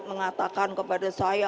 mengatakan kepada saya